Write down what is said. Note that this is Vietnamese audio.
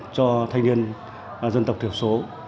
cho thanh niên dân tộc thiểu số